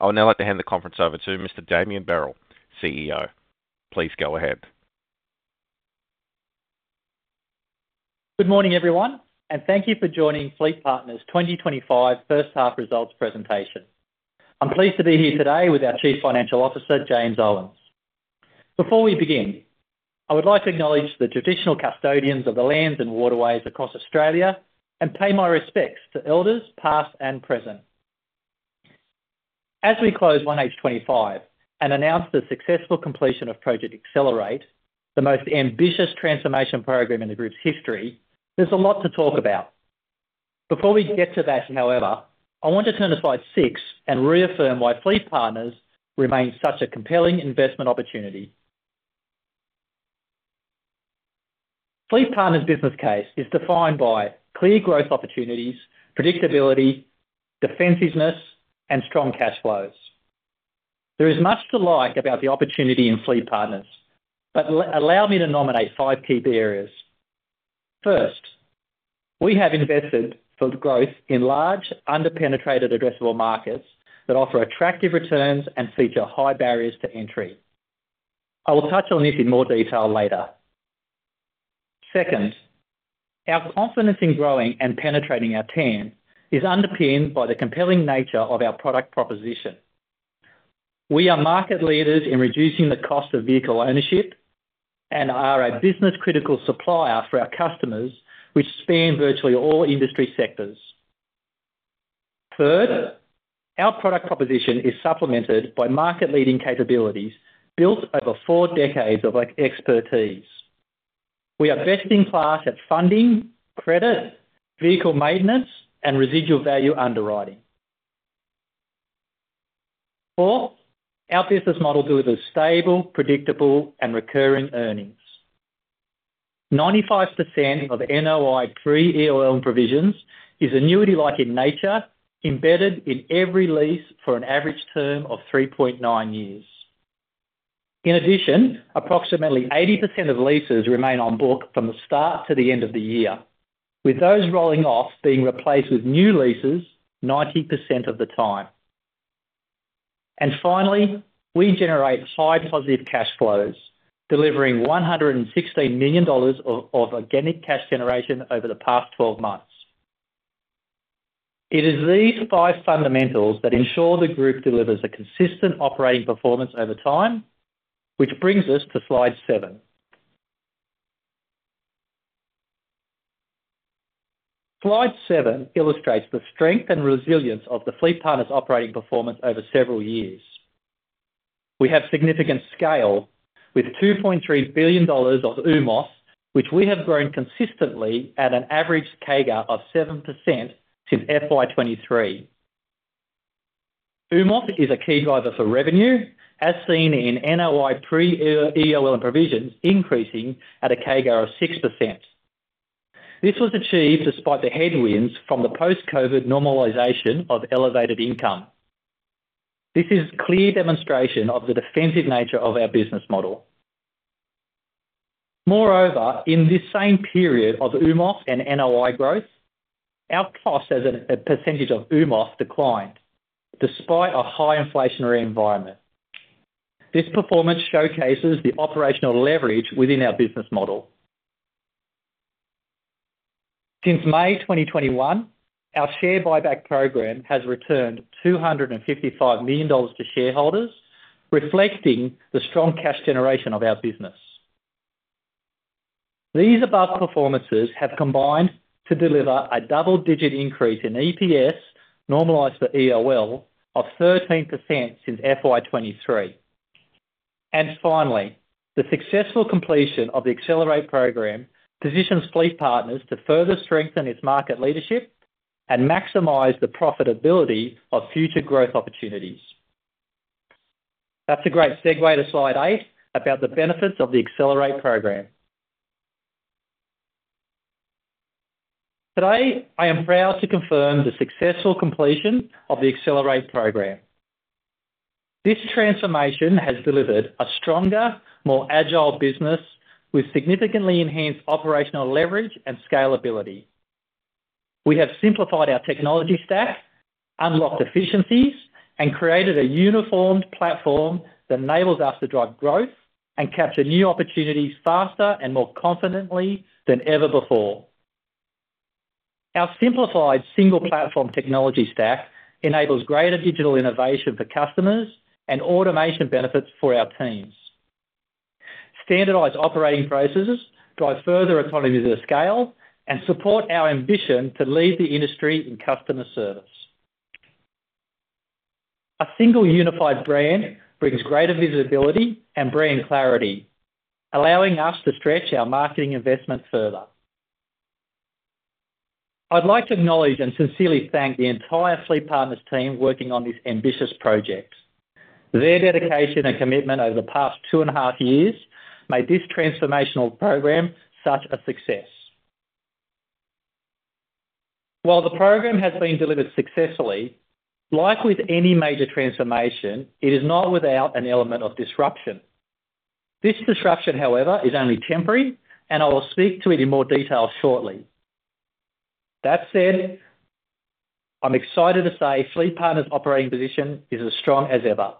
I'd now like to hand the conference over to Mr. Damien Berrell, CEO. Please go ahead. Good morning, everyone, and thank you for joining FleetPartners' 2025 first half results presentation. I'm pleased to be here today with our Chief Financial Officer, James Owens. Before we begin, I would like to acknowledge the traditional custodians of the lands and waterways across Australia and pay my respects to elders past and present. As we close 1H 2025 and announce the successful completion of Project Accelerate, the most ambitious transformation program in the group's history, there's a lot to talk about. Before we get to that, however, I want to turn to slide 6 and reaffirm why FleetPartners remains such a compelling investment opportunity. FleetPartners' business case is defined by clear growth opportunities, predictability, defensiveness, and strong cash flows. There is much to like about the opportunity in FleetPartners, but allow me to nominate five key areas. First, we have invested for growth in large, underpenetrated addressable markets that offer attractive returns and feature high barriers to entry. I will touch on this in more detail later. Second, our confidence in growing and penetrating our TAM is underpinned by the compelling nature of our product proposition. We are market leaders in reducing the cost of vehicle ownership and are a business-critical supplier for our customers, which span virtually all industry sectors. Third, our product proposition is supplemented by market-leading capabilities built over four decades of expertise. We are best in class at funding, credit, vehicle maintenance, and residual value underwriting. Fourth, our business model delivers stable, predictable, and recurring earnings. 95% of NOI pre EOL and provisions is annuity-like in nature, embedded in every lease for an average term of 3.9 years. In addition, approximately 80% of leases remain on book from the start to the end of the year, with those rolling off being replaced with new leases 90% of the time. Finally, we generate high positive cash flows, delivering 116 million dollars of organic cash generation over the past 12 months. It is these five fundamentals that ensure the group delivers a consistent operating performance over time, which brings us to slide 7. Slide 7 illustrates the strength and resilience of FleetPartners' operating performance over several years. We have significant scale with 2.3 billion dollars of AUMOF, which we have grown consistently at an average CAGR of 7% since FY 2023. AUMOF is a key driver for revenue, as seen in NOI pre EOL and provisions increasing at a CAGR of 6%. This was achieved despite the headwinds from the post-COVID normalization of elevated income. This is a clear demonstration of the defensive nature of our business model. Moreover, in this same period of AUMOF and NOI growth, our cost as a percentage of AUMOF declined, despite a high inflationary environment. This performance showcases the operational leverage within our business model. Since May 2021, our share buyback program has returned 255 million dollars to shareholders, reflecting the strong cash generation of our business. These above performances have combined to deliver a double-digit increase in EPS normalized for EOL of 13% since FY 2023. The successful completion of the Accelerate program positions FleetPartners to further strengthen its market leadership and maximize the profitability of future growth opportunities. That's a great segue to slide 8 about the benefits of the Accelerate program. Today, I am proud to confirm the successful completion of the Accelerate program. This transformation has delivered a stronger, more agile business with significantly enhanced operational leverage and scalability. We have simplified our technology stack, unlocked efficiencies, and created a uniform platform that enables us to drive growth and capture new opportunities faster and more confidently than ever before. Our simplified single-platform technology stack enables greater digital innovation for customers and automation benefits for our teams. Standardized operating processes drive further autonomy to scale and support our ambition to lead the industry in customer service. A single unified brand brings greater visibility and brand clarity, allowing us to stretch our marketing investment further. I'd like to acknowledge and sincerely thank the entire FleetPartners team working on this ambitious project. Their dedication and commitment over the past two and a half years made this transformational program such a success. While the program has been delivered successfully, like with any major transformation, it is not without an element of disruption. This disruption, however, is only temporary, and I will speak to it in more detail shortly. That said, I'm excited to say FleetPartners' operating position is as strong as ever.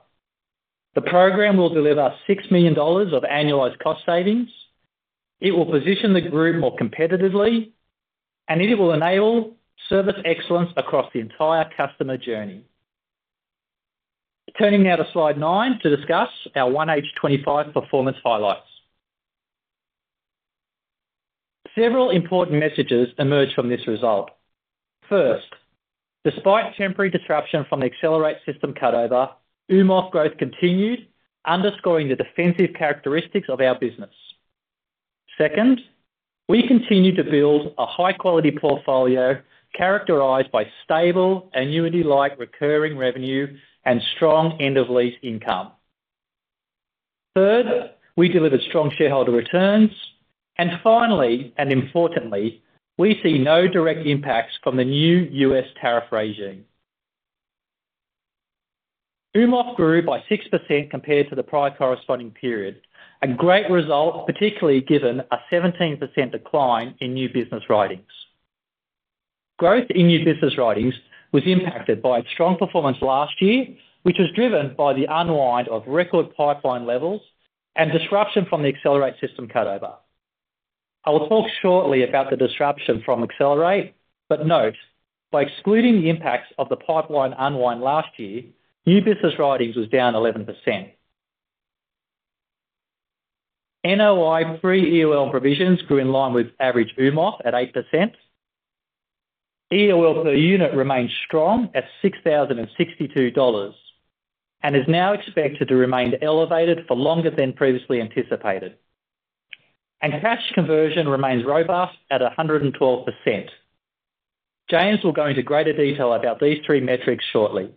The program will deliver 6 million dollars of annualized cost savings. It will position the group more competitively, and it will enable service excellence across the entire customer journey. Turning now to slide 9 to discuss our 1H 2025 performance highlights. Several important messages emerge from this result. First, despite temporary disruption from the Accelerate system cutover, AUMOF growth continued, underscoring the defensive characteristics of our business. Second, we continue to build a high-quality portfolio characterized by stable, annuity-like recurring revenue and strong end-of-lease income. Third, we delivered strong shareholder returns. Finally, and importantly, we see no direct impacts from the new U.S. tariff regime. AUMOF grew by 6% compared to the prior corresponding period, a great result, particularly given a 17% decline in new business writings. Growth in new business writings was impacted by a strong performance last year, which was driven by the unwind of record pipeline levels and disruption from the Accelerate system cutover. I will talk shortly about the disruption from Accelerate, but note, by excluding the impacts of the pipeline unwind last year, new business writings was down 11%. NOI pre EOL and provisions grew in line with average AUMOF at 8%. EOL per unit remained strong at 6,062 dollars and is now expected to remain elevated for longer than previously anticipated. Cash conversion remains robust at 112%. James will go into greater detail about these three metrics shortly.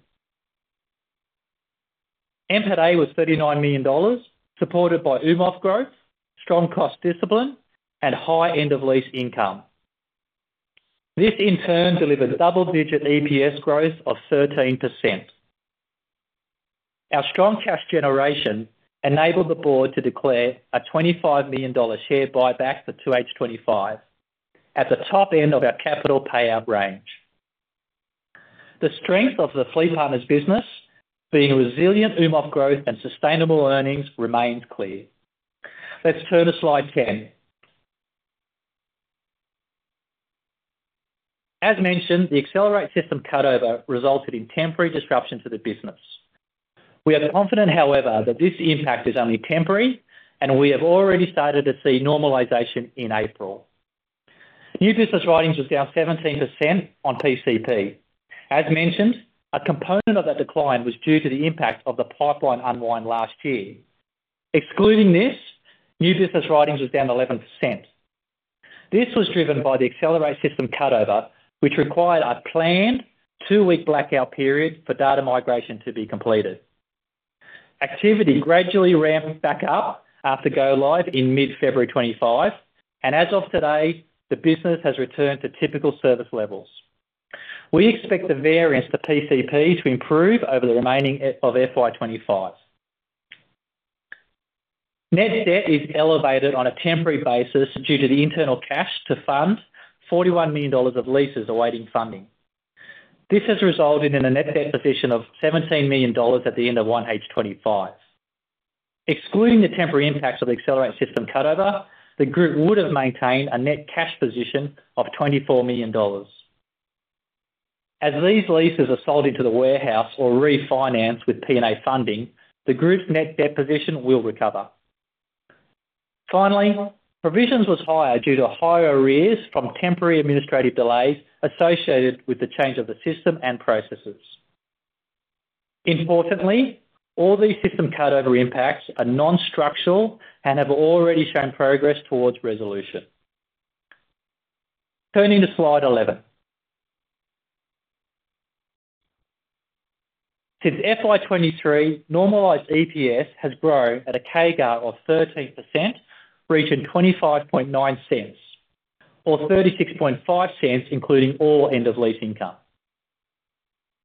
NPATA was 39 million dollars, supported by AUMOF growth, strong cost discipline, and high end-of-lease income. This, in turn, delivered double-digit EPS growth of 13%. Our strong cash generation enabled the board to declare an 25 million dollar share buyback for 2H 2025 at the top end of our capital payout range. The strength of the FleetPartners business, being resilient AUMOF growth and sustainable earnings, remains clear. Let's turn to slide 10. As mentioned, the Accelerate system cutover resulted in temporary disruption to the business. We are confident, however, that this impact is only temporary, and we have already started to see normalization in April. New business writings was down 17% on pcp. As mentioned, a component of that decline was due to the impact of the pipeline unwind last year. Excluding this, new business writings was down 11%. This was driven by the Accelerate system cutover, which required a planned two-week blackout period for data migration to be completed. Activity gradually ramped back up after go-live in mid-February 2025, and as of today, the business has returned to typical service levels. We expect the variance to pcp to improve over the remaining of FY 2025. Net debt is elevated on a temporary basis due to the internal cash to fund 41 million dollars of leases awaiting funding. This has resulted in a net debt position of 17 million dollars at the end of 1H 2025. Excluding the temporary impacts of the Accelerate system cutover, the group would have maintained a net cash position of 24 million dollars. As these leases are sold into the warehouse or refinanced with P&A funding, the group's net debt position will recover. Finally, provisions were higher due to higher arrears from temporary administrative delays associated with the change of the system and processes. Importantly, all these system cutover impacts are non-structural and have already shown progress towards resolution. Turning to slide 11. Since FY 2023, normalized EPS has grown at a CAGR of 13%, reaching 0.259, or 0.365 including all end-of-lease income.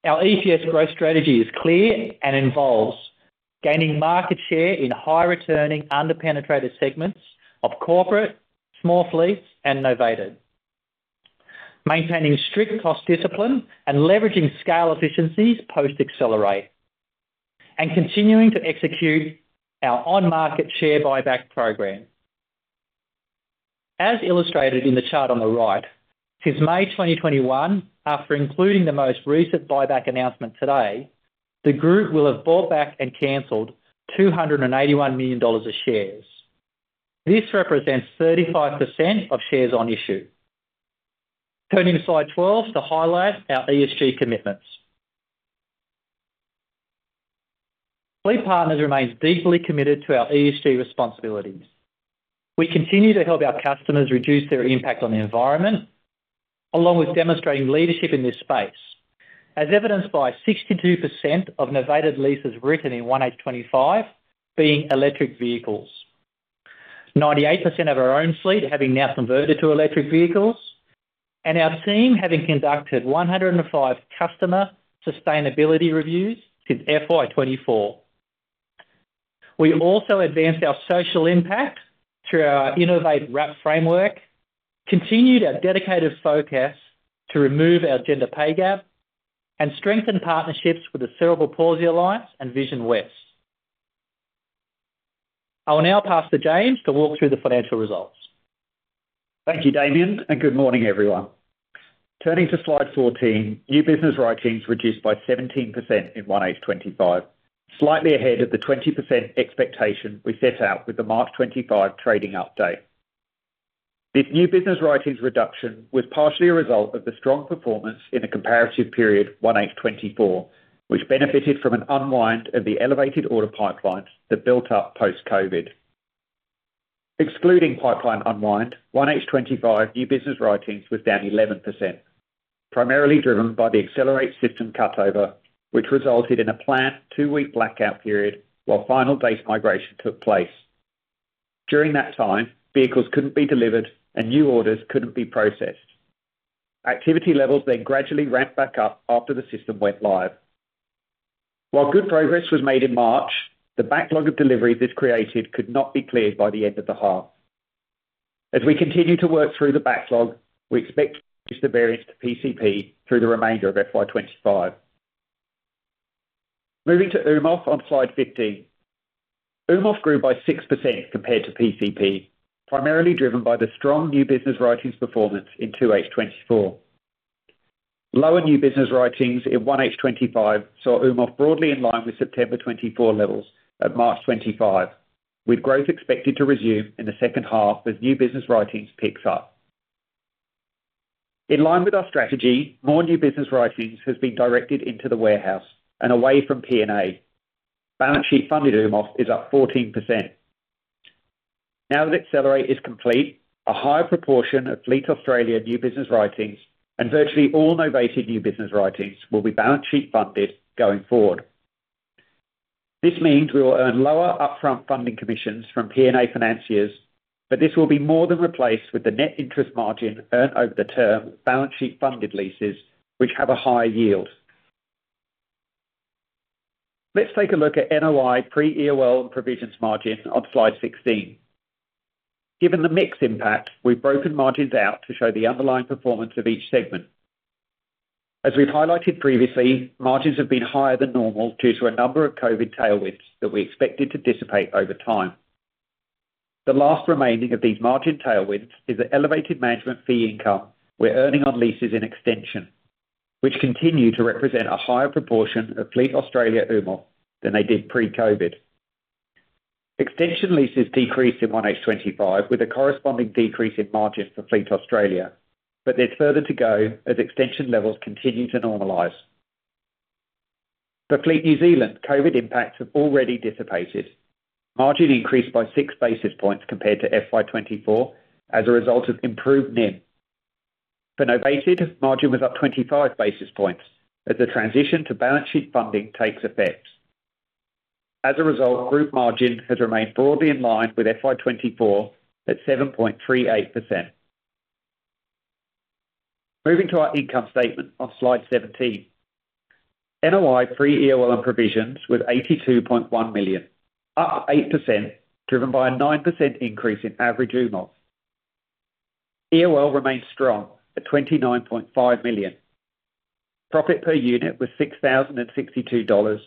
Our EPS growth strategy is clear and involves gaining market share in high-returning, underpenetrated segments of Corporate, Small Fleets, and Novated, maintaining strict cost discipline and leveraging scale efficiencies post-Accelerate, and continuing to execute our on-market share buyback program. As illustrated in the chart on the right, since May 2021, after including the most recent buyback announcement today, the group will have bought back and canceled 281 million dollars of shares. This represents 35% of shares on issue. Turning to slide 12 to highlight our ESG commitments. FleetPartners remains deeply committed to our ESG responsibilities. We continue to help our customers reduce their impact on the environment, along with demonstrating leadership in this space, as evidenced by 62% of novated leases written in 1H 2025 being electric vehicles, 98% of our own fleet having now converted to electric vehicles, and our team having conducted 105 customer sustainability reviews since FY 2024. We also advanced our social impact through our Innovate Wrap framework, continued our dedicated focus to remove our gender pay gap, and strengthened partnerships with the Cerebral Palsy Alliance and Visionwest. I will now pass to James to walk through the financial results. Thank you, Damien, and good morning, everyone. Turning to slide 14, new business writings reduced by 17% in 1H 2025, slightly ahead of the 20% expectation we set out with the March 2025 trading update. This new business writings reduction was partially a result of the strong performance in the comparative period 1H 2024, which benefited from an unwind of the elevated order pipelines that built up post-COVID. Excluding pipeline unwind, 1H 2025 new business writings was down 11%, primarily driven by the Accelerate system cutover, which resulted in a planned two-week blackout period while final data migration took place. During that time, vehicles could not be delivered and new orders could not be processed. Activity levels then gradually ramped back up after the system went live. While good progress was made in March, the backlog of deliveries this created could not be cleared by the end of the half. As we continue to work through the backlog, we expect to reduce the variance to pcp through the remainder of FY 2025. Moving to AUMOF on slide 15. AUMOF grew by 6% compared to pcp, primarily driven by the strong new business writings performance in 2H 2024. Lower new business writings in 1H 2025 saw AUMOF broadly in line with September 2024 levels of March 2025, with growth expected to resume in the second half as new business writings picks up. In line with our strategy, more new business writings has been directed into the warehouse and away from P&A. Balance sheet funded AUMOF is up 14%. Now that Accelerate is complete, a higher proportion of Fleet Australia new business writings and virtually all Novated new business writings will be balance sheet funded going forward. This means we will earn lower upfront funding commissions from P&A financiers, but this will be more than replaced with the net interest margin earned over the term with balance sheet funded leases, which have a higher yield. Let's take a look at NOI pre EOL and provisions margin on slide 16. Given the mixed impact, we've broken margins out to show the underlying performance of each segment. As we've highlighted previously, margins have been higher than normal due to a number of COVID tailwinds that we expected to dissipate over time. The last remaining of these margin tailwinds is the elevated management fee income we're earning on leases in extension, which continue to represent a higher proportion of Fleet Australia AUMOF than they did pre-COVID. Extension leases decreased in 1H 2025 with a corresponding decrease in margin for Fleet Australia, but there's further to go as extension levels continue to normalize. For Fleet New Zealand, COVID impacts have already dissipated. Margin increased by six basis points compared to FY 2024 as a result of improved NIM. For Novated, margin was up 25 basis points as the transition to balance sheet funding takes effect. As a result, group margin has remained broadly in line with FY 2024 at 7.38%. Moving to our income statement on slide 17. NOI pre-EOL and provisions was 82.1 million, up 8%, driven by a 9% increase in average AUMOF. EOL remained strong at 29.5 million. Profit per unit was 6,062 dollars,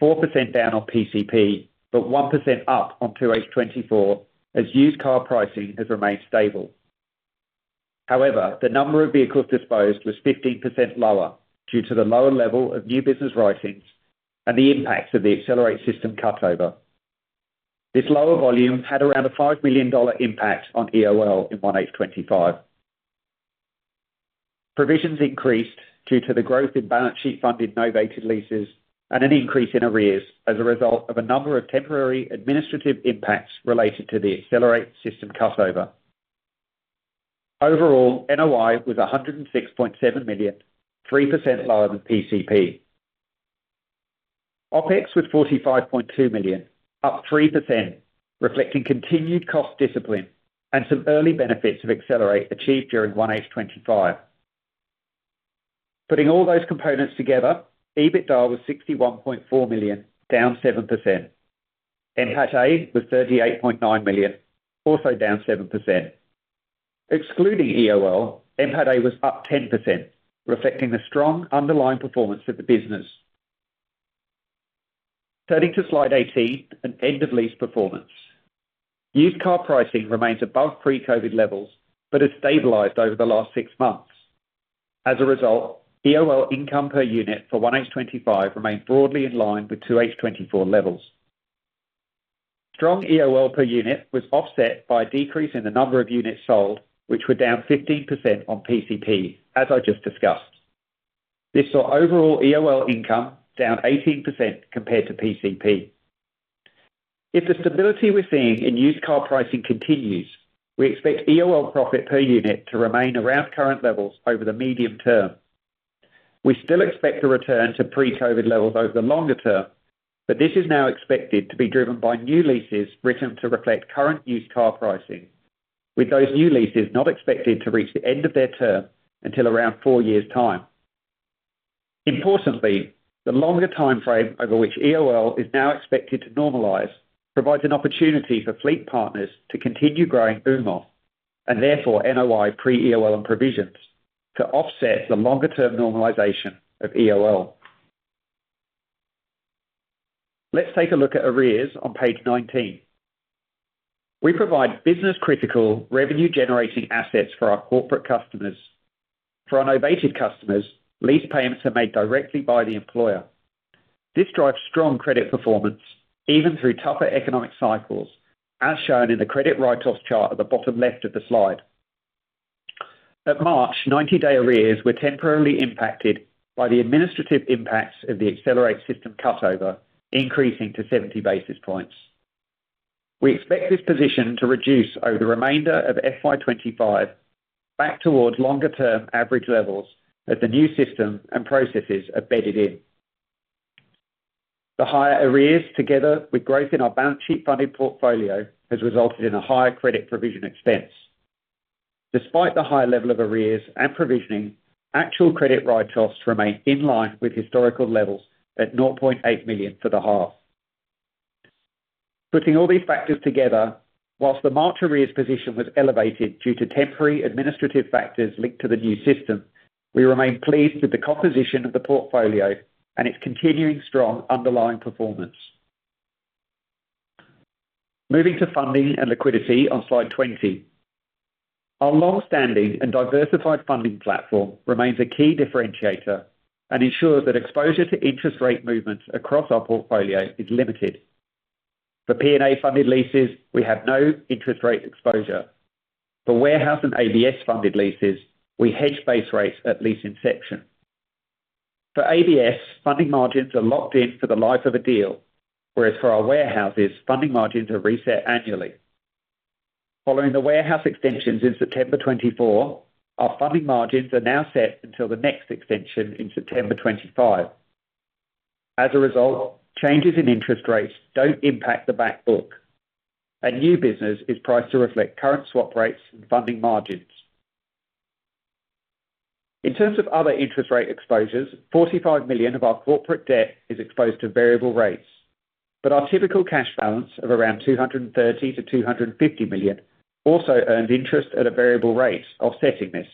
4% down on pcp, but 1% up on 2H 2024 as used car pricing has remained stable. However, the number of vehicles disposed was 15% lower due to the lower level of new business writings and the impacts of the Accelerate system cutover. This lower volume had around an 5 million dollar impact on EOL in 1H 2025. Provisions increased due to the growth in balance sheet funded Novated leases and an increase in arrears as a result of a number of temporary administrative impacts related to the Accelerate system cutover. Overall, NOI was 106.7 million, 3% lower than pcp. OpEx was 45.2 million, up 3%, reflecting continued cost discipline and some early benefits of Accelerate achieved during 1H 2025. Putting all those components together, EBITDA was 61.4 million, down 7%. NPATA was 38.9 million, also down 7%. Excluding EOL, NPATA was up 10%, reflecting the strong underlying performance of the business. Turning to slide 18, end-of-lease performance. Used car pricing remains above pre-COVID levels but has stabilized over the last six months. As a result, EOL income per unit for 1H 2025 remained broadly in line with 2H 2024 levels. Strong EOL per unit was offset by a decrease in the number of units sold, which were down 15% on pcp, as I just discussed. This saw overall EOL income down 18% compared to pcp. If the stability we are seeing in used car pricing continues, we expect EOL profit per unit to remain around current levels over the medium term. We still expect a return to pre-COVID levels over the longer term, but this is now expected to be driven by new leases written to reflect current used car pricing, with those new leases not expected to reach the end of their term until around four years' time. Importantly, the longer time frame over which EOL is now expected to normalize provides an opportunity for FleetPartners to continue growing AUMOF and therefore NOI pre EOL and provisions to offset the longer-term normalization of EOL. Let's take a look at arrears on page 19. We provide business-critical revenue-generating assets for our Corporate customers. For our Novated customers, lease payments are made directly by the employer. This drives strong credit performance, even through tougher economic cycles, as shown in the credit write-offs chart at the bottom left of the slide. At March, 90-day arrears were temporarily impacted by the administrative impacts of the Accelerate system cutover, increasing to 70 basis points. We expect this position to reduce over the remainder of FY 2025 back towards longer-term average levels as the new system and processes are bedded in. The higher arrears, together with growth in our balance sheet funded portfolio, has resulted in a higher credit provision expense. Despite the high level of arrears and provisioning, actual credit write-offs remain in line with historical levels at 0.8 million for the half. Putting all these factors together, whilst the March arrears position was elevated due to temporary administrative factors linked to the new system, we remain pleased with the composition of the portfolio and its continuing strong underlying performance. Moving to funding and liquidity on slide 20. Our long-standing and diversified funding platform remains a key differentiator and ensures that exposure to interest rate movements across our portfolio is limited. For P&A funded leases, we have no interest rate exposure. For warehouse and ABS funded leases, we hedge base rates at lease inception. For ABS, funding margins are locked in for the life of a deal, whereas for our warehouses, funding margins are reset annually. Following the warehouse extensions in September 2024, our funding margins are now set until the next extension in September 2025. As a result, changes in interest rates do not impact the backbook. A new business is priced to reflect current swap rates and funding margins. In terms of other interest rate exposures, 45 million of our corporate debt is exposed to variable rates, but our typical cash balance of around 230-250 million also earned interest at a variable rate offsetting this.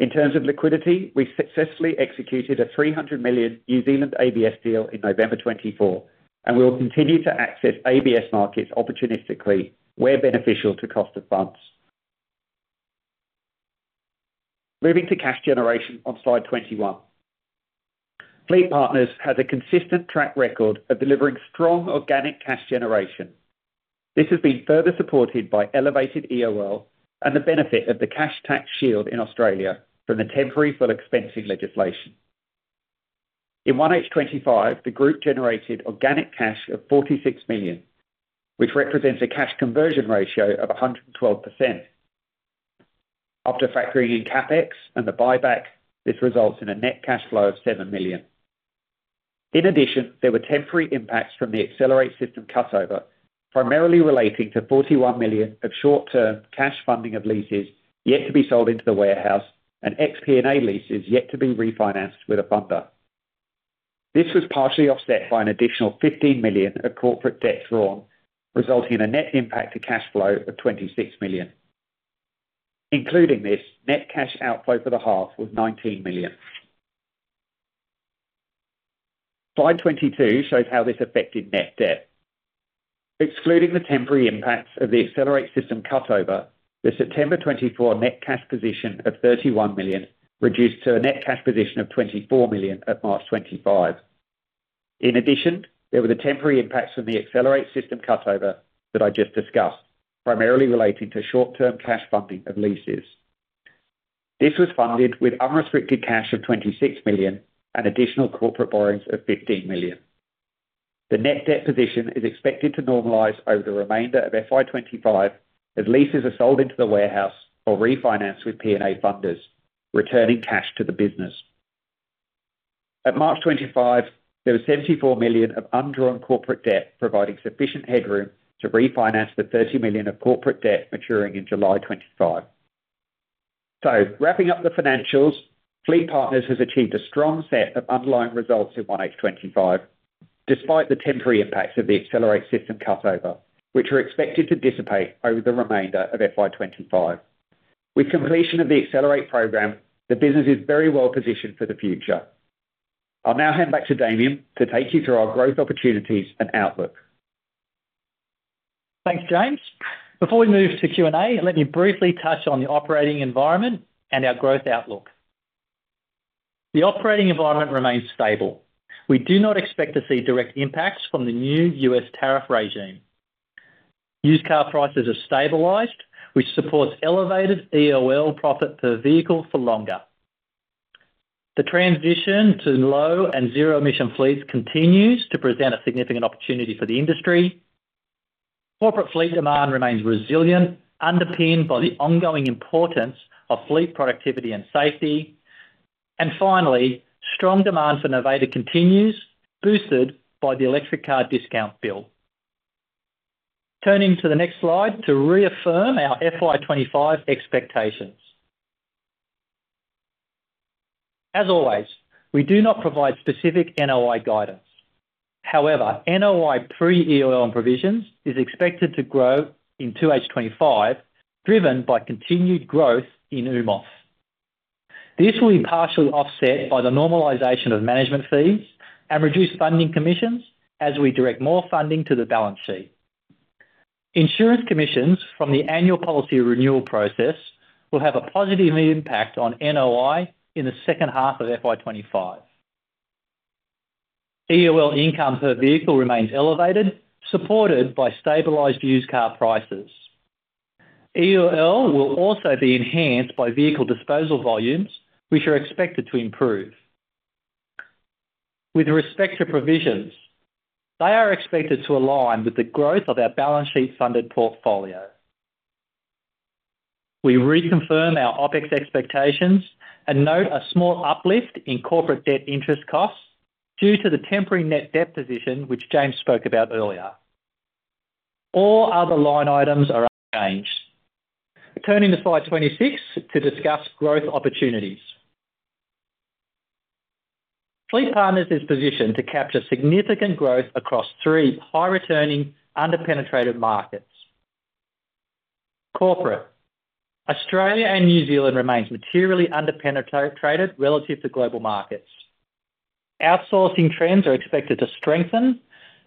In terms of liquidity, we successfully executed a 300 million New Zealand ABS deal in November 2024, and we will continue to access ABS markets opportunistically where beneficial to cost advance. Moving to cash generation on slide 21. FleetPartners has a consistent track record of delivering strong organic cash generation. This has been further supported by elevated EOL and the benefit of the cash tax shield in Australia from the temporary full expensing legislation. In 1H 2025, the group generated organic cash of 46 million, which represents a cash conversion ratio of 112%. After factoring in CapEx and the buyback, this results in a net cash flow of 7 million. In addition, there were temporary impacts from the Accelerate system cutover, primarily relating to 41 million of short-term cash funding of leases yet to be sold into the warehouse and ex-P&A leases yet to be refinanced with a funder. This was partially offset by an additional 15 million of corporate debt drawn, resulting in a net impact to cash flow of 26 million. Including this, net cash outflow for the half was 19 million. Slide 22 shows how this affected net debt. Excluding the temporary impacts of the Accelerate system cutover, the September 2024 net cash position of 31 million reduced to a net cash position of 24 million at March 2025. In addition, there were the temporary impacts from the Accelerate system cutover that I just discussed, primarily relating to short-term cash funding of leases. This was funded with unrestricted cash of 26 million and additional corporate borrowings of 15 million. The net debt position is expected to normalize over the remainder of FY 2025 as leases are sold into the warehouse or refinanced with P&A funders, returning cash to the business. At March 2025, there was 74 million of undrawn corporate debt providing sufficient headroom to refinance the 30 million of corporate debt maturing in July 2025. Wrapping up the financials, FleetPartners has achieved a strong set of underlying results in 1H 2025, despite the temporary impacts of the Accelerate system cutover, which are expected to dissipate over the remainder of FY 2025. With completion of the Accelerate program, the business is very well positioned for the future. I'll now hand back to Damien to take you through our growth opportunities and outlook. Thanks, James. Before we move to Q&A, let me briefly touch on the operating environment and our growth outlook. The operating environment remains stable. We do not expect to see direct impacts from the new U.S. tariff regime. Used car prices have stabilized, which supports elevated EOL profit per vehicle for longer. The transition to low and zero-emission fleets continues to present a significant opportunity for the industry. Corporate fleet demand remains resilient, underpinned by the ongoing importance of fleet productivity and safety. Finally, strong demand for novated continues, boosted by the Electric Car Discount Bill. Turning to the next slide to reaffirm our FY 2025 expectations. As always, we do not provide specific NOI guidance. However, NOI pre-EOL and provisions is expected to grow in 2H 2025, driven by continued growth in AUMOF. This will be partially offset by the normalization of management fees and reduced funding commissions as we direct more funding to the balance sheet. Insurance commissions from the annual policy renewal process will have a positive impact on NOI in the second half of FY 2025. EOL income per vehicle remains elevated, supported by stabilized used car prices. EOL will also be enhanced by vehicle disposal volumes, which are expected to improve. With respect to provisions, they are expected to align with the growth of our balance sheet funded portfolio. We reconfirm our OpEx expectations and note a small uplift in corporate debt interest costs due to the temporary net debt position, which James spoke about earlier. All other line items are unchanged. Turning to slide 26 to discuss growth opportunities. FleetPartners is positioned to capture significant growth across three high-returning underpenetrated markets. Corporate, Australia and New Zealand remains materially underpenetrated relative to global markets. Outsourcing trends are expected to strengthen,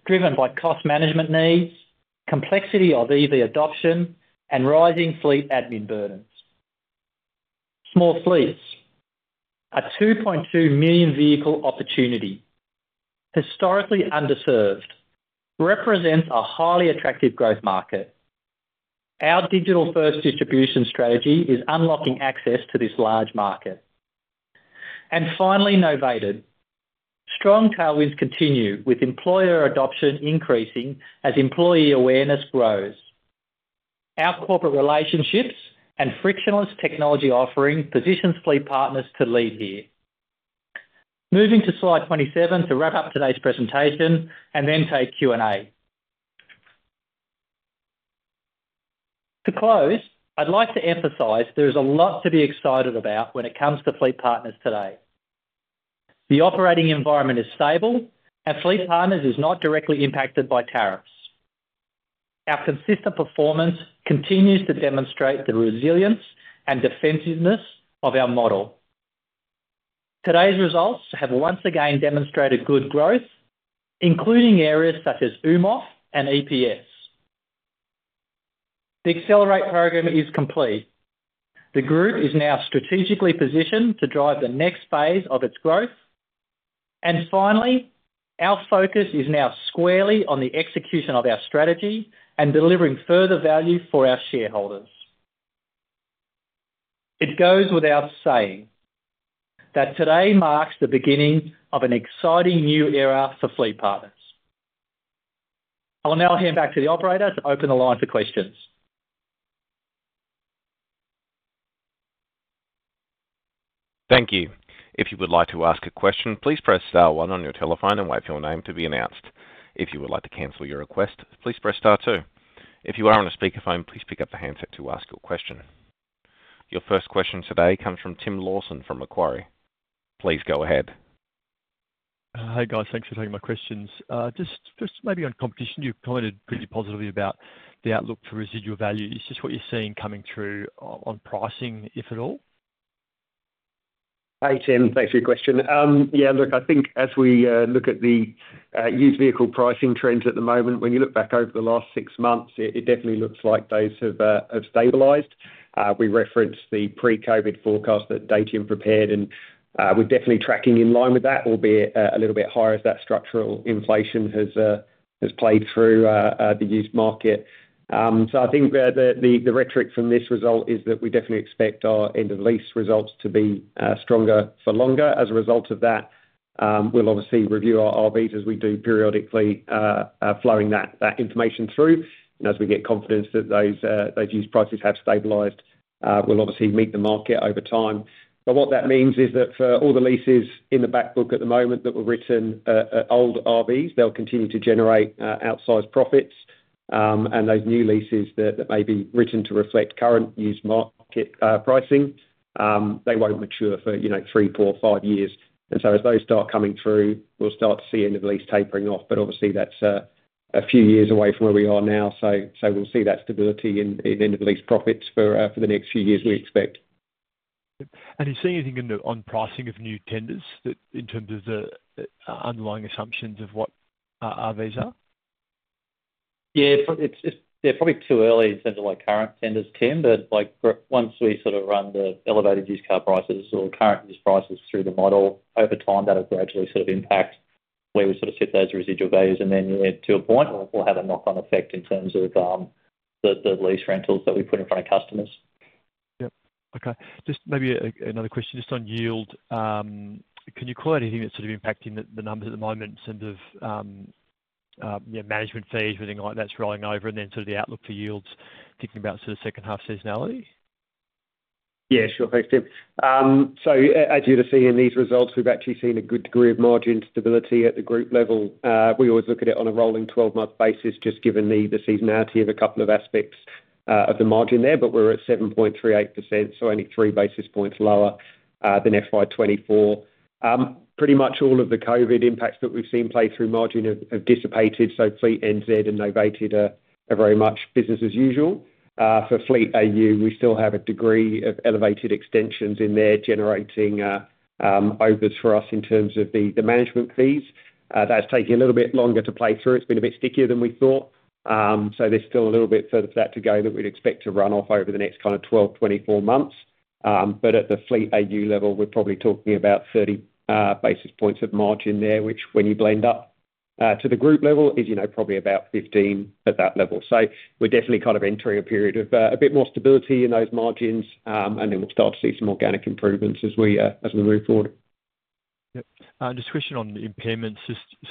driven by cost management needs, complexity of EV adoption, and rising fleet admin burdens. Small Fleets, a 2.2 million vehicle opportunity, historically underserved, represents a highly attractive growth market. Our digital-first distribution strategy is unlocking access to this large market. Finally, Novated. Strong tailwinds continue with employer adoption increasing as employee awareness grows. Our Corporate relationships and frictionless technology offering positions FleetPartners to lead here. Moving to slide 27 to wrap up today's presentation and then take Q&A. To close, I'd like to emphasize there is a lot to be excited about when it comes to FleetPartners today. The operating environment is stable, and FleetPartners is not directly impacted by tariffs. Our consistent performance continues to demonstrate the resilience and defensiveness of our model. Today's results have once again demonstrated good growth, including areas such as AUMOF and EPS. The Accelerate program is complete. The group is now strategically positioned to drive the next phase of its growth. Finally, our focus is now squarely on the execution of our strategy and delivering further value for our shareholders. It goes without saying that today marks the beginning of an exciting new era for FleetPartners. I'll now hand back to the operator to open the line for questions. Thank you. If you would like to ask a question, please press star one on your telephone and wait for your name to be announced. If you would like to cancel your request, please press star two. If you are on a speakerphone, please pick up the handset to ask your question. Your first question today comes from Tim Lawson from Macquarie. Please go ahead. Hi guys, thanks for taking my questions. Just maybe on competition, you've commented pretty positively about the outlook for residual value. Is this what you're seeing coming through on pricing, if at all? Hey Tim, thanks for your question. Yeah, look, I think as we look at the used vehicle pricing trends at the moment, when you look back over the last six months, it definitely looks like those have stabilized. We referenced the pre-COVID forecast that Dayton prepared, and we're definitely tracking in line with that, albeit a little bit higher as that structural inflation has played through the used market. I think the rhetoric from this result is that we definitely expect our end-of-lease results to be stronger for longer. As a result of that, we'll obviously review our EVs as we do periodically, flowing that information through. As we get confidence that those used prices have stabilized, we'll obviously meet the market over time. What that means is that for all the leases in the backbook at the moment that were written at old EVs, they'll continue to generate outsized profits. Those new leases that may be written to reflect current used market pricing, they will not mature for three, four, five years. As those start coming through, we will start to see end-of-lease tapering off. Obviously, that is a few years away from where we are now. We will see that stability in end-of-lease profits for the next few years, we expect. Do you see anything on pricing of new tenders in terms of the underlying assumptions of what EVs are? Yeah, they are probably too early in terms of current tenders, Tim, but once we sort of run the elevated used car prices or current used prices through the model, over time that will gradually sort of impact where we set those residual values. To a point, we will have a knock-on effect in terms of the lease rentals that we put in front of customers. Yep. Okay. Just maybe another question just on yield. Can you call out anything that's sort of impacting the numbers at the moment in terms of management fees, anything like that's rolling over, and then sort of the outlook for yields, thinking about sort of second half seasonality? Yeah, sure. Thanks, Tim. As you're seeing in these results, we've actually seen a good degree of margin stability at the group level. We always look at it on a rolling 12-month basis, just given the seasonality of a couple of aspects of the margin there. We're at 7.38%, so only three basis points lower than FY 2024. Pretty much all of the COVID impacts that we've seen play through margin have dissipated. Fleet NZ and Novated are very much business as usual. For Fleet AU, we still have a degree of elevated extensions in there generating overs for us in terms of the management fees. That is taking a little bit longer to play through. It has been a bit stickier than we thought. There is still a little bit further for that to go that we would expect to run off over the next kind of 12-24 months. At the Fleet AU level, we are probably talking about 30 basis points of margin there, which when you blend up to the group level is probably about 15 at that level. We are definitely kind of entering a period of a bit more stability in those margins, and then we will start to see some organic improvements as we move forward. Just a question on impairments.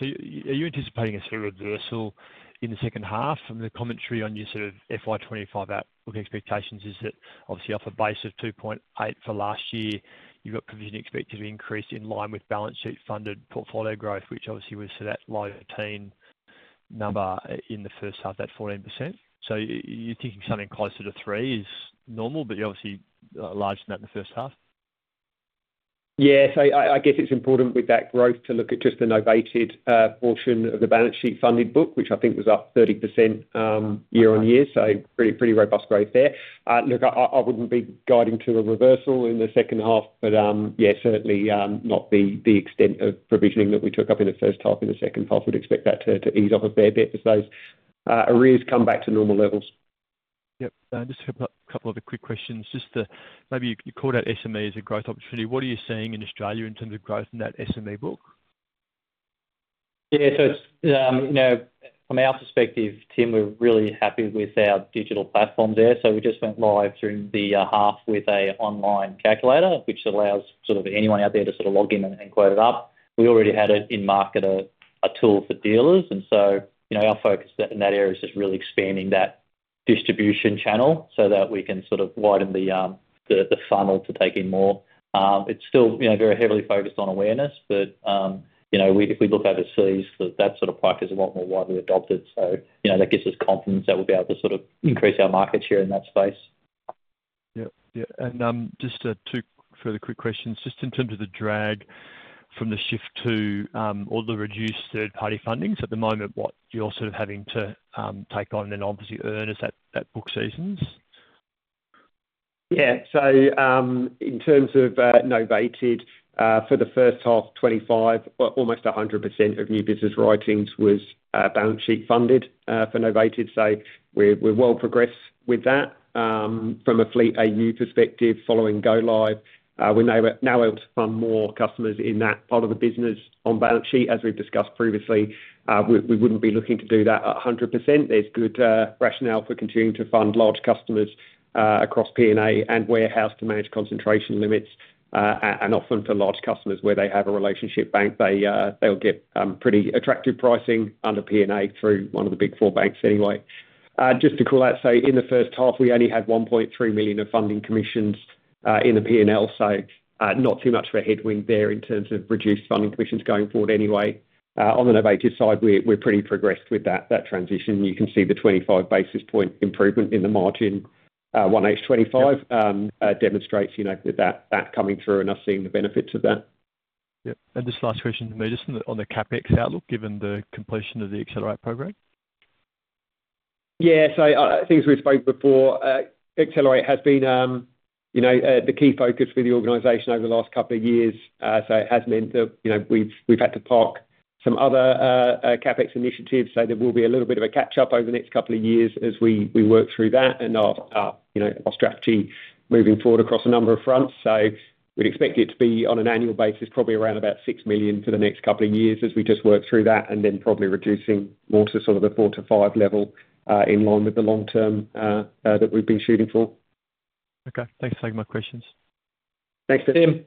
Are you anticipating a sort of reversal in the second half? The commentary on your sort of FY 2025 outlook expectations is that obviously off a base of 2.8 million for last year, you've got provision expected to increase in line with balance sheet funded portfolio growth, which obviously was that low-teen number in the first half, that 14%. You're thinking something closer to three is normal, but you're obviously larger than that in the first half. Yeah. I guess it's important with that growth to look at just the novated portion of the balance sheet funded book, which I think was up 30% year on year. Pretty robust growth there. Look, I wouldn't be guiding to a reversal in the second half, but yeah, certainly not the extent of provisioning that we took up in the first half in the second half. We'd expect that to ease off a fair bit as those arrears come back to normal levels. Yep. Just a couple of quick questions. Just maybe you called out SME as a growth opportunity. What are you seeing in Australia in terms of growth in that SME book? Yeah. From our perspective, Tim, we're really happy with our digital platforms there. We just went live during the half with an online calculator, which allows sort of anyone out there to sort of log in and quote it up. We already had it in market, a tool for dealers. Our focus in that area is just really expanding that distribution channel so that we can sort of widen the funnel to take in more. It's still very heavily focused on awareness, but if we look overseas, that sort of pipe is a lot more widely adopted. That gives us confidence that we'll be able to sort of increase our market share in that space. Yep. Yeah. Just two further quick questions. In terms of the drag from the shift to all the reduced third-party fundings, at the moment, what you're sort of having to take on and then obviously earn is that book seasons. Yeah. In terms of Novated, for the first half of 2025, almost 100% of new business writings was balance sheet funded for Novated. We're well progressed with that. From a Fleet AU perspective, following Go Live, we're now able to fund more customers in that part of the business on balance sheet, as we've discussed previously. We wouldn't be looking to do that 100%. There's good rationale for continuing to fund large customers across P&A and warehouse to manage concentration limits. Often for large customers where they have a relationship bank, they'll get pretty attractive pricing under P&A through one of the big four banks anyway. Just to call out, in the first half, we only had 1.3 million of funding commissions in the P&L. Not too much of a headwind there in terms of reduced funding commissions going forward anyway. On the novated side, we're pretty progressed with that transition. You can see the 25 basis point improvement in the margin. 1H 2025 demonstrates that coming through and us seeing the benefits of that. Yep. Just last question, just on the CapEx outlook given the completion of the Accelerate program. Yeah. Things we've spoken before, Accelerate has been the key focus for the organization over the last couple of years. It has meant that we've had to park some other CapEx initiatives. There will be a little bit of a catch-up over the next couple of years as we work through that and our strategy moving forward across a number of fronts. We would expect it to be on an annual basis, probably around 6 million for the next couple of years as we just work through that and then probably reducing more to sort of the 4 million-5 million level in line with the long term that we have been shooting for. Okay. Thanks for taking my questions. Thanks, Tim.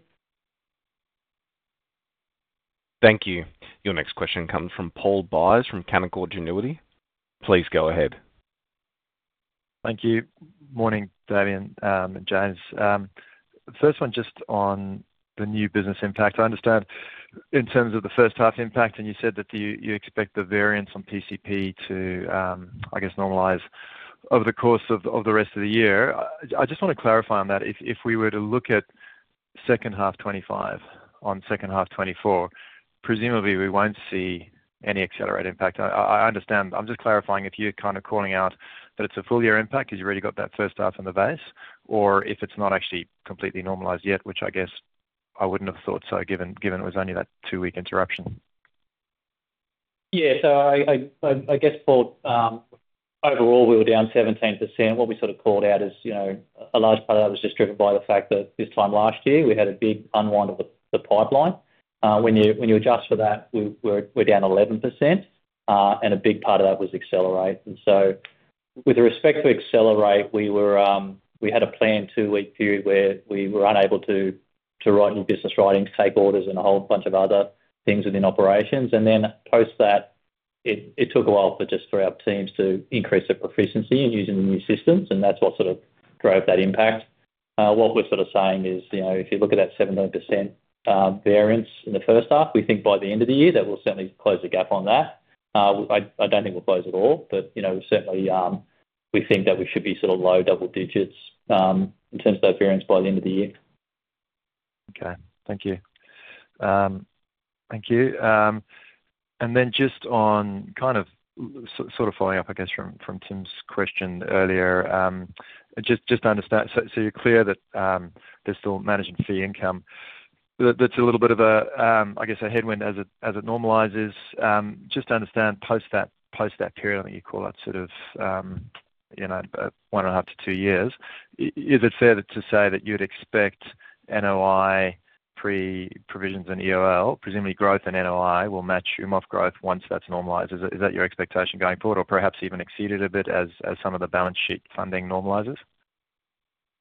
Thank you. Your next question comes from Paul Buys from Canaccord Genuity. Please go ahead. Thank you. Morning, Damien and James. First one, just on the new business impact. I understand in terms of the first half impact, and you said that you expect the variance on pcp to, I guess, normalize over the course of the rest of the year. I just want to clarify on that. If we were to look at second half 2025 on second half 2024, presumably we will not see any accelerated impact. I understand. I'm just clarifying if you're kind of calling out that it's a full year impact because you've already got that first half on the base, or if it's not actually completely normalized yet, which I guess I would not have thought so given it was only that two-week interruption. Yeah. I guess for overall, we were down 17%. What we sort of called out is a large part of that was just driven by the fact that this time last year, we had a big unwind of the pipeline. When you adjust for that, we're down 11%. A big part of that was Accelerate. With respect to Accelerate, we had a planned two-week period where we were unable to write new business writings, take orders, and a whole bunch of other things within operations. Post that, it took a while for our teams to increase their proficiency in using the new systems. That is what sort of drove that impact. What we're sort of saying is if you look at that 17% variance in the first half, we think by the end of the year, that we'll certainly close the gap on that. I do not think we'll close it all, but certainly we think that we should be low double digits in terms of that variance by the end of the year. Okay. Thank you. Thank you. Just on kind of sort of following up, I guess, from Tim's question earlier, just to understand, so you're clear that there's still management fee income. That's a little bit of a, I guess, a headwind as it normalizes. Just to understand, post that period, I think you call that sort of one and a half to two years, is it fair to say that you'd expect NOI pre-provisions and EOL, presumably growth and NOI will match AUMOF growth once that's normalized? Is that your expectation going forward, or perhaps even exceed it a bit as some of the balance sheet funding normalizes?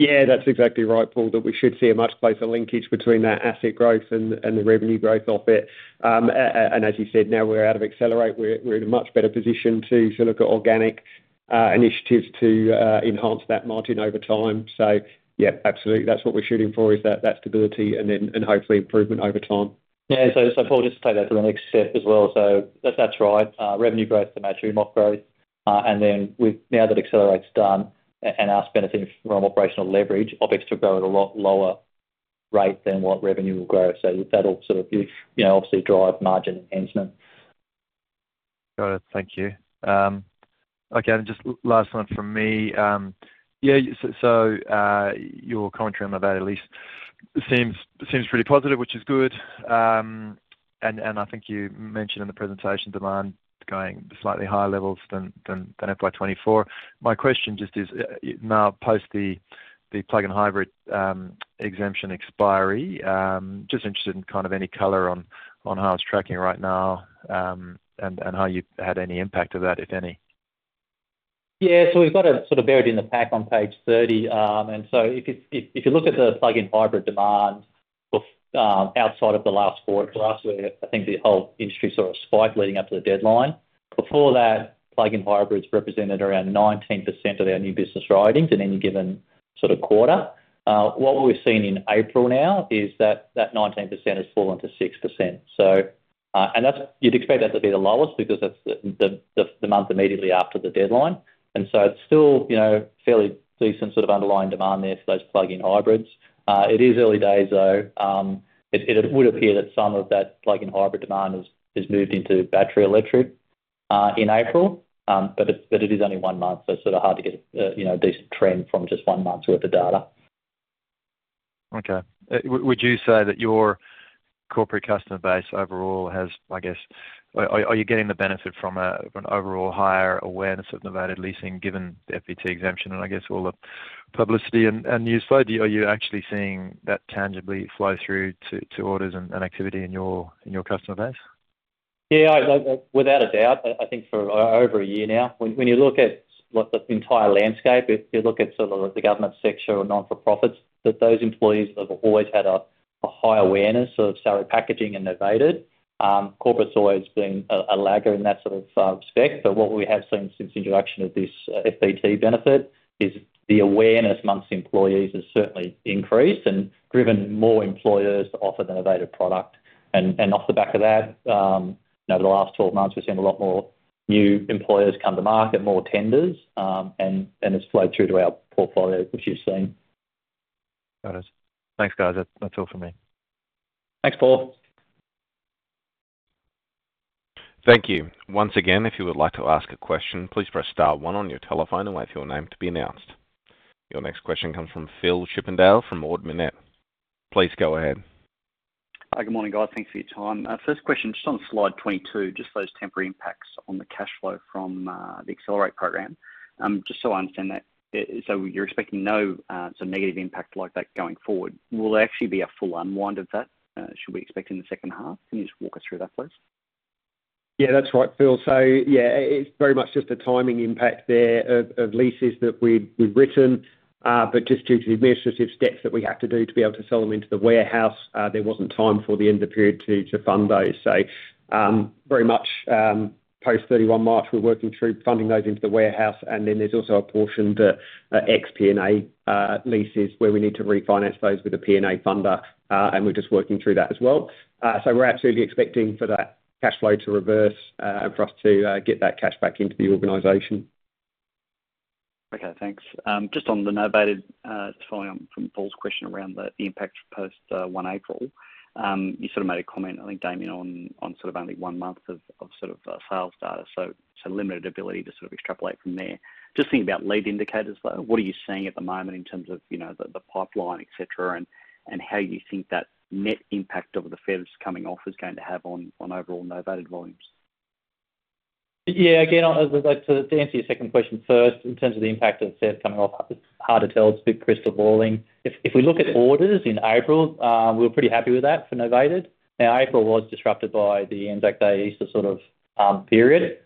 Yeah, that's exactly right, Paul, that we should see a much closer linkage between that asset growth and the revenue growth off it. As you said, now we are out of Accelerate, we are in a much better position to look at organic initiatives to enhance that margin over time. Yeah, absolutely. That is what we are shooting for, is that stability and then hopefully improvement over time. Yeah. Paul just played out the next step as well. That is right. Revenue growth to match AUMOF growth. Now that Accelerate is done and we are benefiting from operational leverage, OpEx took over at a lot lower rate than what revenue will grow. That will obviously drive margin enhancement. Got it. Thank you. Okay. Just last one from me. Yeah. Your commentary on the value lease seems pretty positive, which is good. I think you mentioned in the presentation demand going slightly higher levels than FY 2024. My question just is now post the plug-in hybrid exemption expiry, just interested in kind of any color on how it's tracking right now and how you've had any impact of that, if any. Yeah. We've got it sort of buried in the pack on page 30. If you look at the plug-in hybrid demand outside of the last quarter for us, I think the whole industry saw a spike leading up to the deadline. Before that, plug-in hybrids represented around 19% of their new business writings in any given sort of quarter. What we've seen in April now is that 19% has fallen to 6%. You'd expect that to be the lowest because that's the month immediately after the deadline. It's still fairly decent sort of underlying demand there for those plug-in hybrids. It is early days, though. It would appear that some of that plug-in hybrid demand has moved into battery electric in April, but it is only one month. It is sort of hard to get a decent trend from just one month's worth of data. Okay. Would you say that your Corporate customer base overall has, I guess, are you getting the benefit from an overall higher awareness of Novated leasing given the FBT exemption and, I guess, all the publicity and news flow? Are you actually seeing that tangibly flow through to orders and activity in your customer base? Yeah. Without a doubt. I think for over a year now, when you look at the entire landscape, if you look at sort of the government sector or not-for-profits, those employees have always had a high awareness of salary packaging and novated. Corporate has always been a lagger in that sort of respect. What we have seen since the introduction of this FBT benefit is the awareness amongst employees has certainly increased and driven more employers to offer the novated product. Off the back of that, over the last 12 months, we've seen a lot more new employers come to market, more tenders, and it's flowed through to our portfolio, which you've seen. Got it. Thanks, guys. That's all from me. Thanks, Paul. Thank you. Once again, if you would like to ask a question, please press star one on your telephone and wait for your name to be announced. Your next question comes from Phil Chippindale from Ord Minnett. Please go ahead. Hi. Good morning, guys. Thanks for your time. First question, just on slide 22, just those temporary impacts on the cash flow from the Accelerate program. Just so I understand that, so you're expecting no sort of negative impact like that going forward. Will there actually be a full unwind of that? Should we expect in the second half? Can you just walk us through that, please? Yeah, that's right, Phil. So yeah, it's very much just a timing impact there of leases that we've written. But just due to the administrative steps that we have to do to be able to sell them into the warehouse, there wasn't time for the end of the period to fund those. Very much post-31 March, we're working through funding those into the warehouse. There's also a portion to ex-P&A leases where we need to refinance those with a P&A funder. We're just working through that as well. So we're absolutely expecting for that cash flow to reverse and for us to get that cash back into the organization. Okay. Thanks. Just on the Novated, just following on from Paul's question around the impact post-1 April, you sort of made a comment, I think, Damien, on sort of only one month of sort of sales data. So limited ability to sort of extrapolate from there. Just thinking about lead indicators, though, what are you seeing at the moment in terms of the pipeline, etc., and how you think that net impact of the feds coming off is going to have on overall novated volumes? Yeah. Again, to answer your second question first, in terms of the impact of the feds coming off, it's hard to tell. It's a bit crystal balling. If we look at orders in April, we were pretty happy with that for Novated. Now, April was disrupted by the end of day Easter sort of period.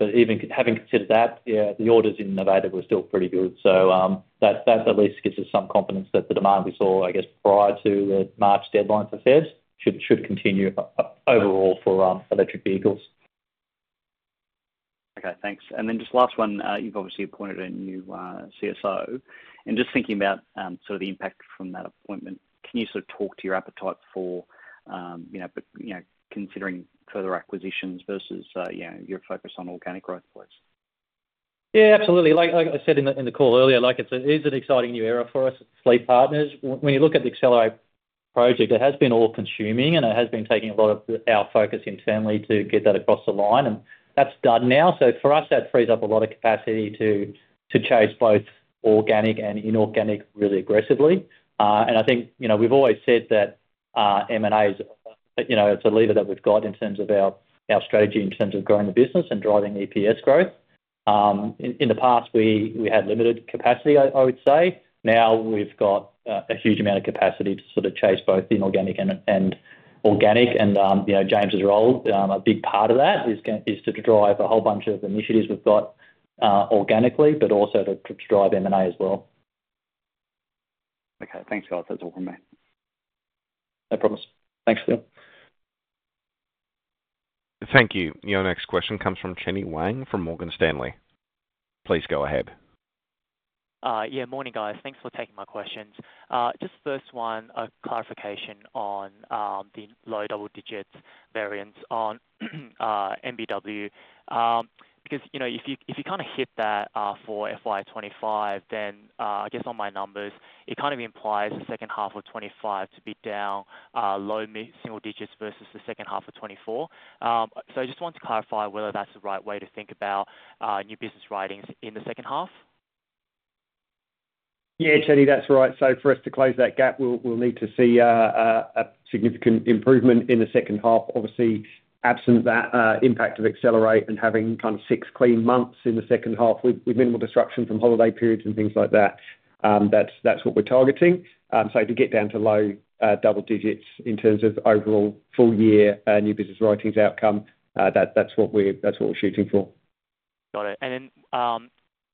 Even having considered that, yeah, the orders in novated were still pretty good. That at least gives us some confidence that the demand we saw, I guess, prior to the March deadline for FBT should continue overall for electric vehicles. Okay. Thanks. Then just last one, you've obviously appointed a new CSO. Just thinking about sort of the impact from that appointment, can you sort of talk to your appetite for considering further acquisitions versus your focus on organic growth, please? Yeah, absolutely. Like I said in the call earlier, it is an exciting new era for us, FleetPartners. When you look at the Accelerate project, it has been all-consuming, and it has been taking a lot of our focus internally to get that across the line. That's done now. For us, that frees up a lot of capacity to chase both organic and inorganic really aggressively. I think we've always said that M&A is a lever that we've got in terms of our strategy, in terms of growing the business and driving EPS growth. In the past, we had limited capacity, I would say. Now we've got a huge amount of capacity to sort of chase both inorganic and organic. James's role, a big part of that, is to drive a whole bunch of initiatives we've got organically, but also to drive M&A as well. Okay. Thanks, guys. That's all from me. No problem. Thanks, Phil. Thank you. Your next question comes from Chenny Wang from Morgan Stanley. Please go ahead. Yeah. Morning, guys. Thanks for taking my questions. Just first one, a clarification on the low double digit variance on NBW. Because if you kind of hit that for FY 2025, then I guess on my numbers, it kind of implies the second half of 2025 to be down low single digits versus the second half of 2024. I just want to clarify whether that's the right way to think about new business writings in the second half. Yeah, Chenny, that's right. For us to close that gap, we'll need to see a significant improvement in the second half. Obviously, absent that impact of Accelerate and having kind of six clean months in the second half with minimal disruption from holiday periods and things like that, that's what we're targeting. To get down to low double digits in terms of overall full year new business writings outcome, that's what we're shooting for. Got it. And then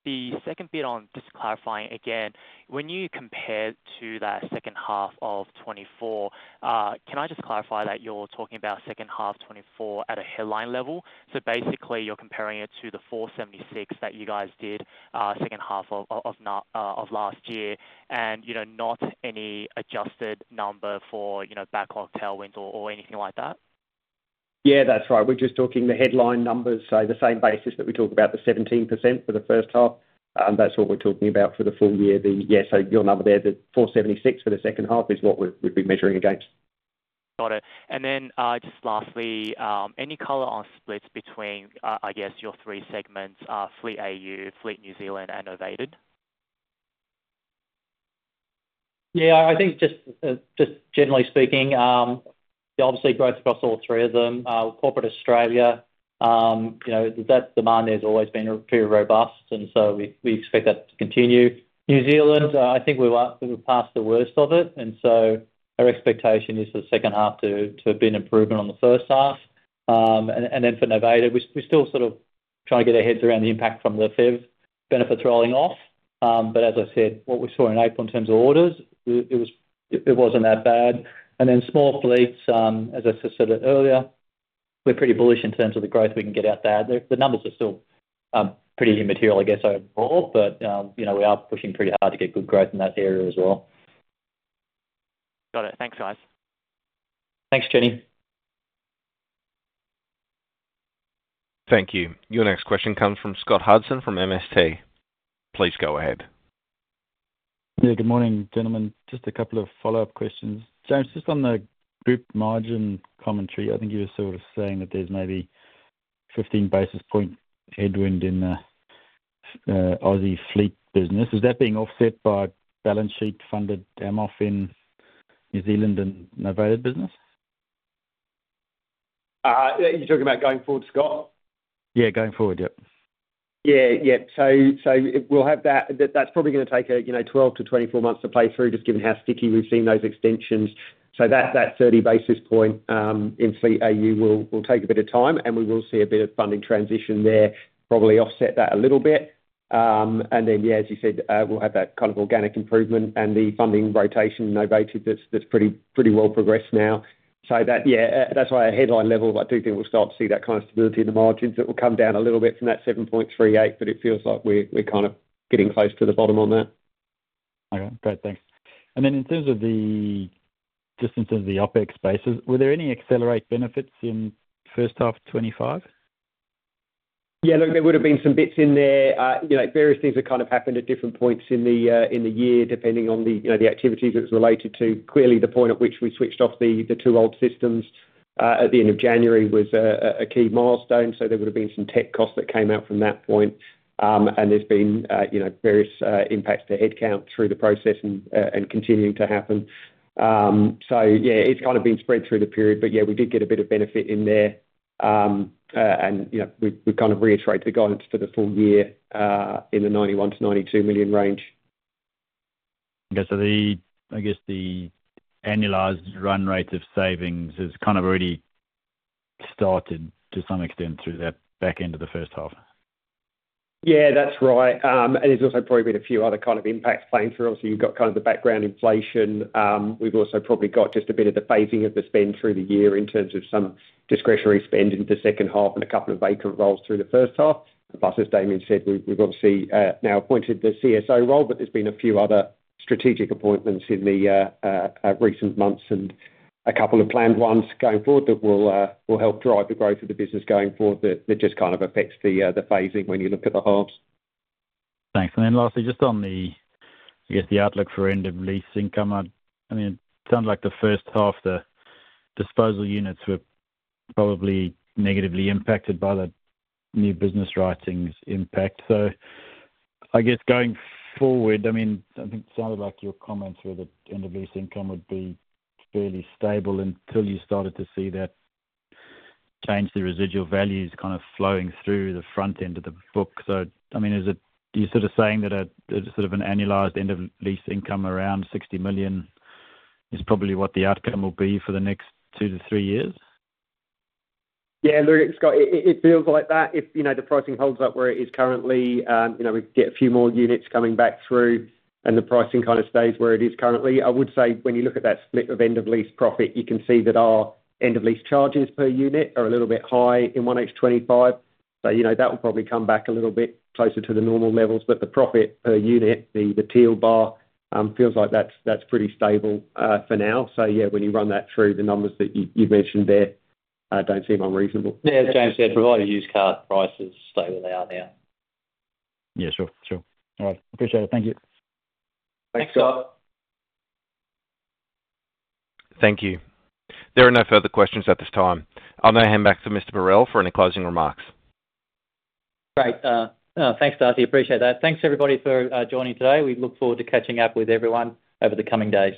the second bit on just clarifying again, when you compare to that second half of 2024, can I just clarify that you're talking about second half 2024 at a headline level? Basically, you're comparing it to the 476 million that you guys did second half of last year and not any adjusted number for backlog tailwinds or anything like that? Yeah, that's right. We're just talking the headline numbers. The same basis that we talk about, the 17% for the first half, that's what we're talking about for the full year. Yeah. Your number there, the 476 million for the second half is what we'd be measuring against. Got it. And then just lastly, any color on splits between, I guess, your three segments, Fleet AU, Fleet New Zealand, and Novated? Yeah. I think just generally speaking, obviously, growth across all three of them. Corporate Australia, that demand has always been pretty robust, and we expect that to continue. New Zealand, I think we are past the worst of it. Our expectation is for the second half to have been improvement on the first half. For Novated, we are still sort of trying to get our heads around the impact from the FBT benefits rolling off. As I said, what we saw in April in terms of orders, it was not that bad. Small Fleets, as I said earlier, we are pretty bullish in terms of the growth we can get out there. The numbers are still pretty immaterial, I guess, overall, but we are pushing pretty hard to get good growth in that area as well. Got it. Thanks, guys. Thanks, Chenny. Thank you. Your next question comes from Scott Hudson from MST. Please go ahead. Yeah. Good morning, gentlemen. Just a couple of follow-up questions. James, just on the group margin commentary, I think you were sort of saying that there's maybe 15 basis point headwind in the Aussie fleet business. Is that being offset by balance sheet funded AUMOF in New Zealand and Novated business? You're talking about going forward, Scott? Yeah, going forward, yep. Yeah. Yep. So we'll have that. That's probably going to take 12-24 months to play through, just given how sticky we've seen those extensions. So that 30 basis point in Fleet AU will take a bit of time, and we will see a bit of funding transition there probably offset that a little bit. And then, yeah, as you said, we'll have that kind of organic improvement and the funding rotation in novated that's pretty well progressed now. Yeah, that's why at headline level, I do think we'll start to see that kind of stability in the margins. It will come down a little bit from that 7.38%, but it feels like we're kind of getting close to the bottom on that. Okay. Great. Thanks. In terms of the OpEx basis, were there any Accelerate benefits in first half 2025? Yeah. Look, there would have been some bits in there. Various things have kind of happened at different points in the year, depending on the activities it was related to. Clearly, the point at which we switched off the two old systems at the end of January was a key milestone. There would have been some tech costs that came out from that point. There have been various impacts to headcount through the process and continuing to happen. Yeah, it's kind of been spread through the period. Yeah, we did get a bit of benefit in there. We've kind of reiterated the guidance for the full year in the 91 million-92 million range. Okay. I guess the annualized run rate of savings has kind of already started to some extent through that back end of the first half. Yeah, that's right. There's also probably been a few other kind of impacts playing through. Obviously, you've got kind of the background inflation. We've also probably got just a bit of the phasing of the spend through the year in terms of some discretionary spend in the second half and a couple of vacant roles through the first half. Plus, as Damien said, we've obviously now appointed the CSO role, but there have been a few other strategic appointments in recent months and a couple of planned ones going forward that will help drive the growth of the business going forward. That just kind of affects the phasing when you look at the halves. Thanks. Lastly, just on the outlook for end-of-lease income, I mean, it sounds like the first half, the disposal units were probably negatively impacted by the new business writings impact. I guess going forward, I mean, I think it sounded like your comments were that end-of-lease income would be fairly stable until you started to see that change, the residual values kind of flowing through the front end of the book. So I mean, is it you're sort of saying that sort of an annualized end-of-lease income around 60 million is probably what the outcome will be for the next two to three years? Yeah. Look, Scott, it feels like that if the pricing holds up where it is currently, we get a few more units coming back through and the pricing kind of stays where it is currently. I would say when you look at that split of end-of-lease profit, you can see that our end-of-lease charges per unit are a little bit high in 1H 2025. That will probably come back a little bit closer to the normal levels. The profit per unit, the teal bar, feels like that's pretty stable for now. Yeah, when you run that through the numbers that you've mentioned there, I don't see them unreasonable. Yeah. As James said, provided used car prices stay where they are now. Yeah. Sure. Sure. All right. Appreciate it. Thank you. Thanks, Scott. Thank you. There are no further questions at this time. I'll now hand back to Mr. Berrell for any closing remarks. Great. Thanks, Dusty. Appreciate that. Thanks, everybody, for joining today. We look forward to catching up with everyone over the coming days.